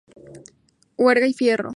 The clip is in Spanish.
Huerga y Fierro.